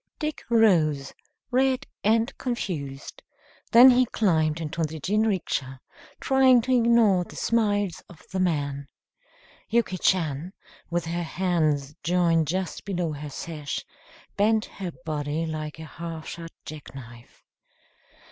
Dick rose, red and confused. Then he climbed into the jinrikisha, trying to ignore the smiles of the man. Yuki Chan, with her hands joined just below her sash, bent her body like a half shut jack knife.